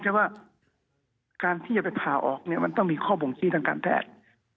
ฉะว่าการที่จะไปผ่าออกเนี่ยมันต้องมีข้อบ่งชี้ทางการแพทย์